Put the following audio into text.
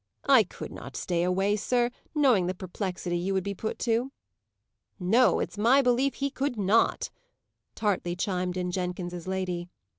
"I could not stay away, sir, knowing the perplexity you would be put to." "No, it's my belief he could not," tartly chimed in Jenkins's lady.